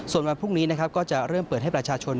ส่วนวันพรุ่งนี้นะครับก็จะเริ่มเปิดให้ประชาชน